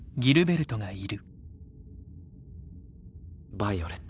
ヴァイオレット。